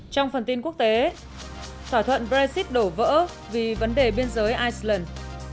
trong phần tin quốc tế thỏa thuận brexit đổ vỡ vì vấn đề biên giới iceland